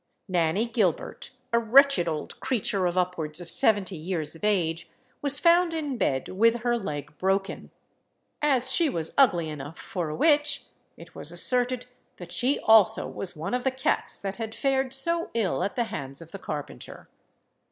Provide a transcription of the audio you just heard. Nanny Gilbert, a wretched old creature of upwards of seventy years of age, was found in bed with her leg broken. As she was ugly enough for a witch, it was asserted that she also was one of the cats that had fared so ill at the hands of the carpenter.